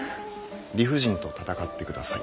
理不尽と闘ってください。